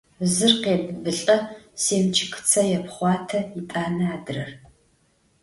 Зыр къебыбылӏэ, семчыкыцэ епхъуатэ, етӏанэ–адрэр…